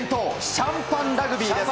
シャンパンラグビー？